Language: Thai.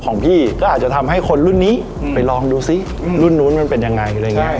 ของพี่ก็อาจจะทำให้คนรุ่นนี้ไปลองดูซิรุ่นนู้นมันเป็นยังไง